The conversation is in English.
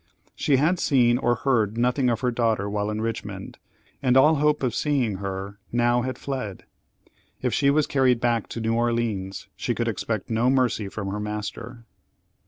She had seen or heard nothing of her daughter while in Richmond, and all hope of seeing her now had fled. If she was carried back to New Orleans, she could expect no mercy from her master.